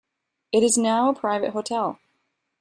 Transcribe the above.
It is now a private hotel.